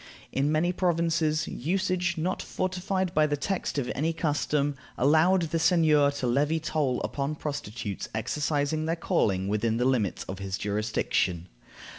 In many provinces, usage, not fortified by the text of any custom, allowed the seigneur to levy toll upon prostitutes exercising their calling within the limits of his jurisdiction.